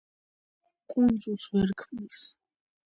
კუნძულს ვერ ქმნის.